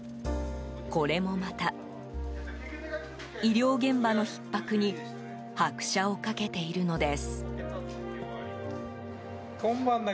これもまた、医療現場のひっ迫に拍車をかけているのです。